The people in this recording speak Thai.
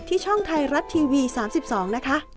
ช่องไทยรัฐทีวี๓๒นะคะ